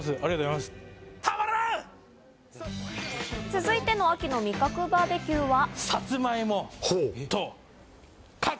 続いての秋の味覚バーベキューは。